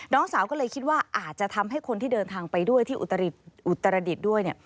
น้องสาวก็เลยคิดว่าอาจจะทำให้คนที่เดินทางไปด้วยที่อุตรดิษฐ์ด้วยเนี่ย